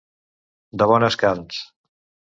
De bones carns.